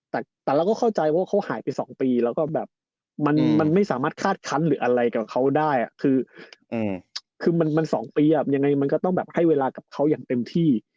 แต่เราก็เข้าใจว่าเขาหายไป๒ปีแล้วก็แบบมันไม่สามารถคาดคันหรืออะไรกับเขาได้คือมัน๒ปียังไงมันก็ต้องแบบให้เวลากับเขาอย่างเต็มที่